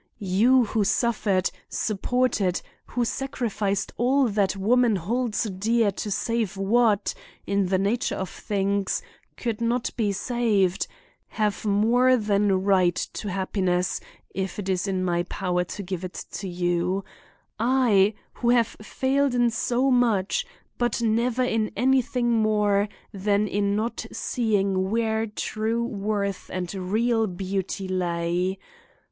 You who suffered, supported—who sacrificed all that woman holds dear to save what, in the nature of things, could not be saved—have more than right to happiness if it is in my power to give it to you; I, who have failed in so much, but never in anything more than in not seeing where true worth and real beauty lay.